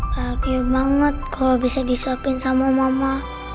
bahagia banget kalau bisa disuapin sama mama